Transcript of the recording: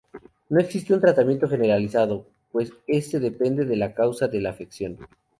No existe un tratamiento generalizado, pues este depende de la causa de la afección.